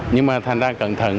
nhưng mà thành ra cẩn thận